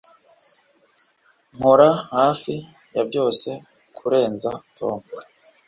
Nkora hafi ya byose kurenza Tom